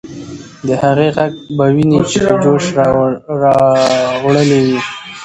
د هغې ږغ به ويني په جوش راوړلې وې.